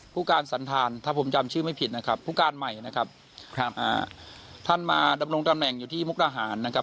ผู้การสันธารถ้าผมจำชื่อไม่ผิดนะครับผู้การใหม่นะครับท่านมาดำรงตำแหน่งอยู่ที่มุกดาหารนะครับ